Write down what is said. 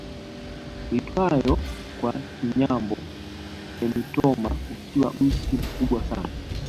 Iitwayo kwa Kinyambo emitoma ukiwa mti mkubwa sana